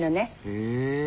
へえ。